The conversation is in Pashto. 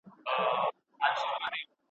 که سولر وي نو لګښت نه زیاتیږي.